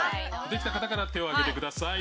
できた方から手を上げてください。